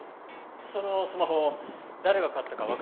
そのスマホ誰が買ったかわからないんですか？